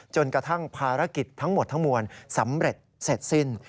จนกระทั่งภารกิจทั้งหมดทั้งมวลสำเร็จเสร็จสิ้น